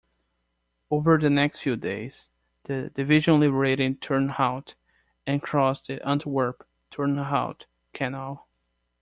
Over the next few days the division liberated Turnhout and crossed the Antwerp-Turnhout Canal.